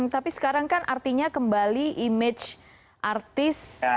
tapi sekarang kan artinya kembali image artis